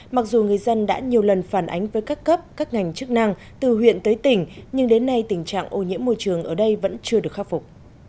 mặc dù người dân đã nhiều lần phản ánh với các cấp các ngành chức năng từ huyện tới tỉnh nhưng đến nay tình trạng ô nhiễm môi trường ở đây vẫn chưa được khắc phục